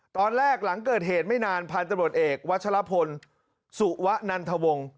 ตอนแรกหลังเกิดเหตุไม่นานพันตะโดดเอกวัชลพลสุวะนันทวงศ์